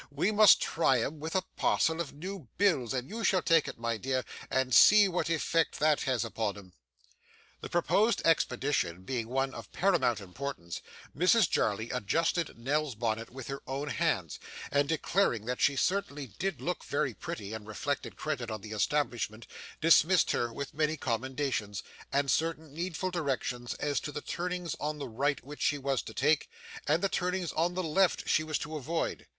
We must try 'em with a parcel of new bills, and you shall take it, my dear, and see what effect that has upon 'em.' The proposed expedition being one of paramount importance, Mrs Jarley adjusted Nell's bonnet with her own hands, and declaring that she certainly did look very pretty, and reflected credit on the establishment, dismissed her with many commendations, and certain needful directions as to the turnings on the right which she was to take, and the turnings on the left which she was to avoid.